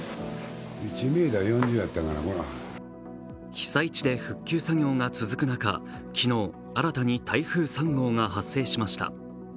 被災地で復旧作業が続く中、昨日新たに台風３号が発生しました。